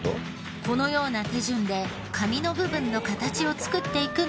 このような手順で髪の部分の形を作っていくのですが。